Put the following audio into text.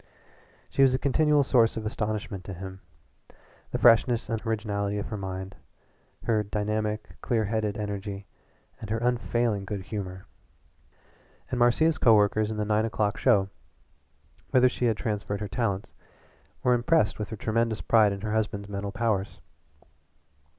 She was a continual source of astonishment to him the freshness and originality of her mind, her dynamic, clear headed energy, and her unfailing good humor. And Marcia's co workers in the nine o'clock show, whither she had transferred her talents, were impressed with her tremendous pride in her husband's mental powers.